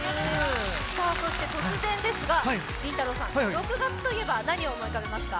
突然ですが、りんたろーさん、６月と言えば何を思い浮かべますか？